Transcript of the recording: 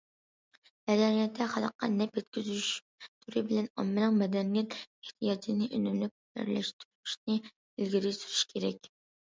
مەدەنىيەتتە خەلققە نەپ يەتكۈزۈش تۈرى بىلەن ئاممىنىڭ مەدەنىيەت ئېھتىياجىنى ئۈنۈملۈك بىرلەشتۈرۈشنى ئىلگىرى سۈرۈش كېرەك.